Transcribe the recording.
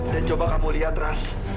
coba kamu lihat ras